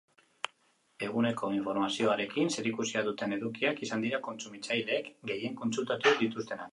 Eguneko informazioarekin zerikusia duten edukiak izan dira kontsumitzaileek gehien kontsultatu dituztenak.